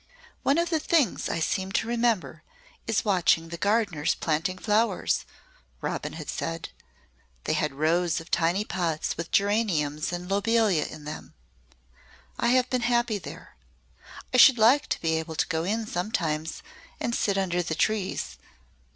"One of the first things I seem to remember is watching the gardeners planting flowers," Robin had said. "They had rows of tiny pots with geraniums and lobelia in them. I have been happy there. I should like to be able to go in sometimes and sit under the trees.